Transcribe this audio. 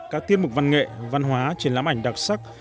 các tiết mục văn nghệ văn hóa triển lãm ảnh đặc sắc